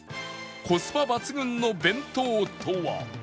コスパ抜群の弁当とは？